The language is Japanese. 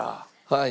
はい。